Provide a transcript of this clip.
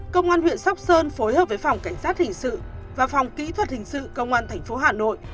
công an huyện sóc sơn phối hợp với phòng cảnh sát hình sự và phòng kỹ thuật hình sự công an tp hà nội